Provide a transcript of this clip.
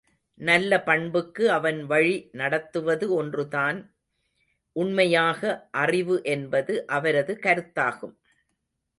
நல்ல பண்புக்கு அவன் வழி நடத்துவது ஒன்றுதான் உண்மையாக அறிவு என்பது அவரது கருத்தாகும்.